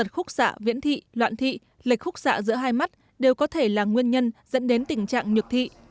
khúc xạ viễn thị loạn thị lệch khúc xạ giữa hai mắt đều có thể là nguyên nhân dẫn đến tình trạng nhược thị